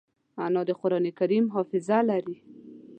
انا د قرانکریم حافظه لري